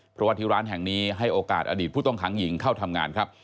เพราะว่าที่ร้านแห่งนี้ให้โอกาสอดีตผู้ต้องขังหญิงเข้าทำงานครับ